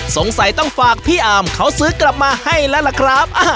สงสัยต้องฝากพี่อาร์มเขาซื้อกลับมาให้แล้วล่ะครับ